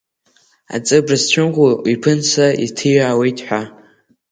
Аҵыбра зцәымӷу иԥынҵа иҭиаауеит ҳәа.